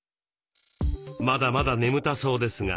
まだまだ眠たそうですが。